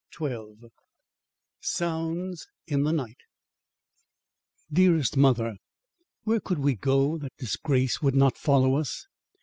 XII SOUNDS IN THE NIGHT Dearest Mother: Where could we go that disgrace would not follow us?